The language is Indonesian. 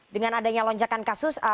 dengan adanya lonjakan kasus